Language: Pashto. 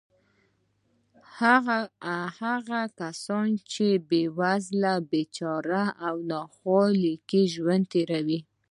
هغه کسان چې په بېوزلۍ، بېچارهګۍ او ناخوالو کې ژوند تېروي.